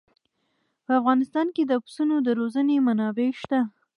په افغانستان کې د پسونو د روزنې منابع شته.